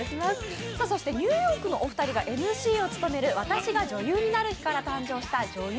ニューヨークのお二人がＭＣを務める「『私が女優になる日＿』」から誕生した女優